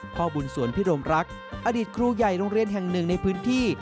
พ่อบุญสวนพิรมรักษ์อดีตครูใหญ่โรงเรียนแห่งหนึ่งในพื้นที่